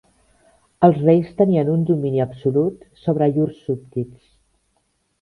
Els reis tenien un domini absolut sobre llurs súbdits.